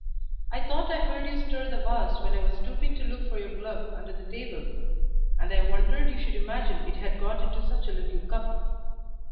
I thought I heard you stir the vase when I was stooping to look for your glove under the table, and I wondered you should imagine it had got into such a little cup.